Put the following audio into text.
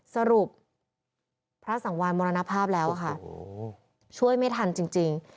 สรุปพระสังวานมรณภาพแล้วค่ะช่วยไม่ทันจริง